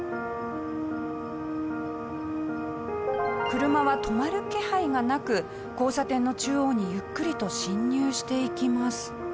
車は止まる気配がなく交差点の中央にゆっくりと進入していきます。